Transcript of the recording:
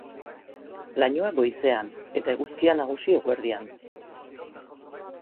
Lainoa goizean, eta eguzkia nagusi eguerdian.